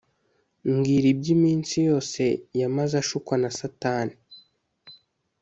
Mbwira iby’iminsi yose yamaze ashukwa na satani